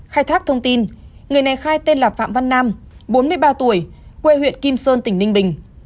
khai thác thông tin người này khai tên là phạm văn nam bốn mươi ba tuổi quê huyện kim sơn tỉnh ninh bình